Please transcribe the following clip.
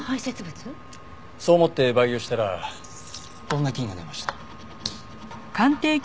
そう思って培養したらこんな菌が出ました。